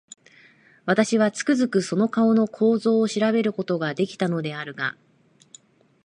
私は、つくづくその顔の構造を調べる事が出来たのであるが、